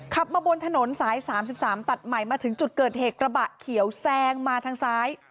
ขับมาบนถนนสาย๓๓ตัดใหม่มาถึงจุดเกิดเหตุกระบะเขียวแซงมาทางซ้าย